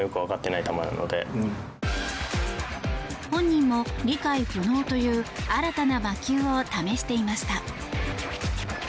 本人も理解不能という新たな魔球を試していました。